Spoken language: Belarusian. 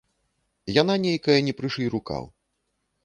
Яна нейкая не прышый рукаў.